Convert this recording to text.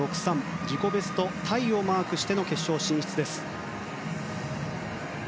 自己ベストタイをマークしての決勝進出です。